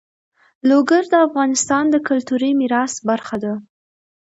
لوگر د افغانستان د کلتوري میراث برخه ده.